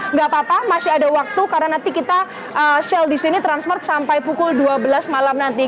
nggak apa apa masih ada waktu karena nanti kita shal di sini transmart sampai pukul dua belas malam nanti